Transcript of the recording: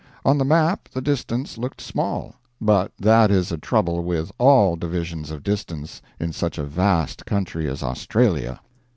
On the map the distance looked small; but that is a trouble with all divisions of distance in such a vast country as Australia.